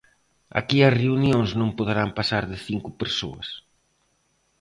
Aquí as reunións non poderán pasar de cinco persoas.